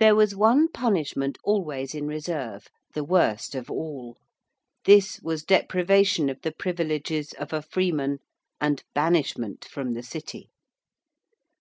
There was one punishment always in reserve the worst of all. This was deprivation of the privileges of a freeman and banishment from the City.